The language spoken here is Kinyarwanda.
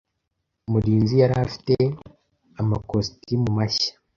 Murinzi yari afite amakositimu mashya.